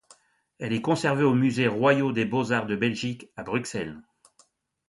Elle est conservée aux musées royaux des Beaux-Arts de Belgique, à Bruxelles.